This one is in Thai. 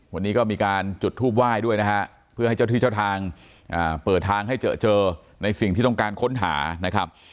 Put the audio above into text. วันนี้ก็มีการจุดทูปไหว้ด้วยนะฮะเพื่อให้เจ้าที่เจ้าทางเปิดทางให้เจอเจอในสิ่งที่ต้องการค้นหานะครับ